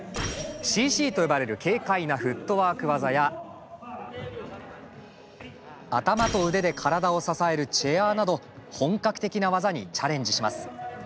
「ＣＣ」と呼ばれる軽快なフットワーク技や頭と腕で体を支える「チェアー」など本格的な技にチャレンジします。